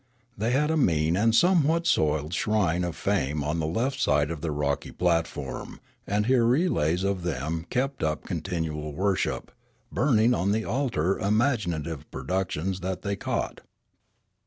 They had a mean and somewhat soiled shrine of Fame on the left side of their rocky platform, and here relays of them kept up continual worship, burning on the altar imaginative productions that they caught.